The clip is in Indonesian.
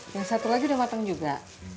yang satu lagi udah matang juga